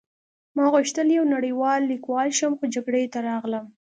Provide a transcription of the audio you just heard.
ما غوښتل یو نړۍوال لیکوال شم خو جګړې ته راغلم